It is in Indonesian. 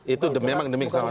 itu memang demi keselamatan